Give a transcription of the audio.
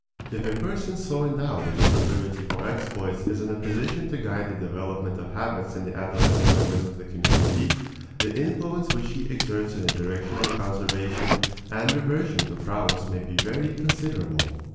If a person so endowed with a proclivity for exploits is in a position to guide the development of habits in the adolescent members of the community, the influence which he exerts in the direction of conservation and reversion to prowess may be very considerable.